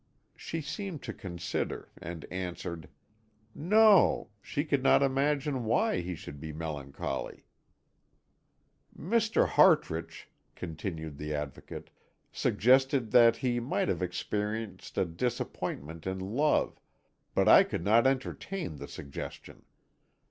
She seemed to consider, and answered: "No, she could not imagine why he should be melancholy." "Mr. Hartrich," continued the Advocate, "suggested that he might have experienced a disappointment in love, but I could not entertain the suggestion.